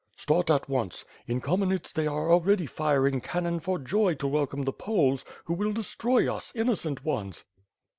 "Start at once. In Kamenets they are already firing can non for joy to welcome the Poles, who will destroy us, in nocent ones."